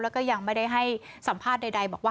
แล้วก็ยังไม่ได้ให้สัมภาษณ์ใดบอกว่า